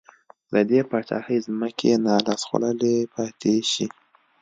د دې پاچاهۍ ځمکې نا لاس خوړلې پاتې شي.